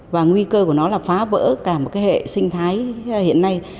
và nguy cơ của nó là phá vỡ cả một hệ sinh thái hiện nay